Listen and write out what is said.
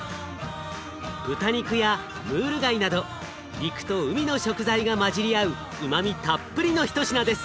豚肉やムール貝など陸と海の食材がまじり合ううまみたっぷりの一品です。